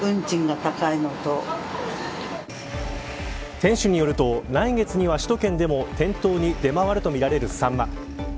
店主によると来月には首都圏でも店頭に出回るとみられるサンマ。